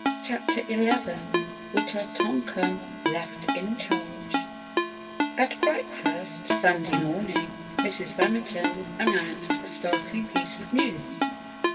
CHAPTER ELEVEN WITA TONKAN LEFT IN CHARGE At breakfast, Sunday morning, Mrs. Remington announced a startling piece of news.